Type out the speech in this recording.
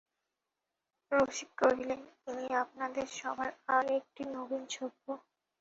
রসিক কহিলেন, ইনি আপনাদের সভার আর একটি নবীন সভ্য।